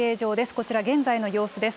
こちら現在の様子です。